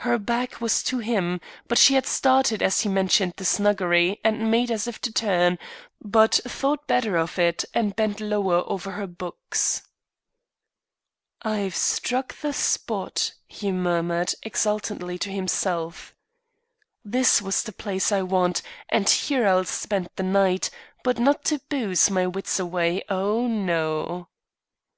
Her back was to him, but she had started as he mentioned the snuggery and made as if to turn; but thought better of it, and bent lower over her books. "I've struck the spot," he murmured, exultantly to himself. "This is the place I want and here I'll spend the night; but not to booze my wits away, oh, no."